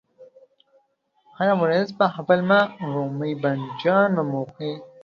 هره ورځ په خپل مخ رومي بانجان وموښئ.